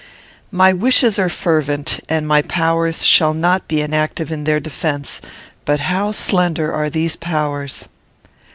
My wishes are fervent, and my powers shall not be inactive in their defence; but how slender are these powers!